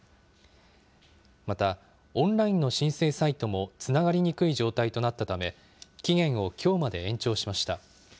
また、オンラインの申請サイトもつながりにくい状態となったため、期限をきょうまで延長しました。